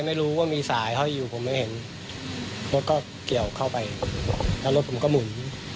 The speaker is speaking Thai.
ไม่รู้ว่ามีสายห้อยอยู่ผมไม่เห็นรถก็เกี่ยวเข้าไปแล้วรถผมก็หมุน